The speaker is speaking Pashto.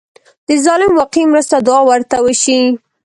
د ظالم واقعي مرسته دعا ورته وشي.